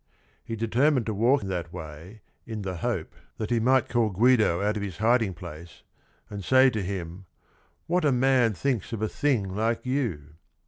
He determined to walk that way in the hope that he might call Guido out of his hiding place, and say to him "what a man thinks of a thing like you."